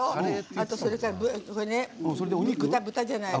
あと、それから豚じゃない。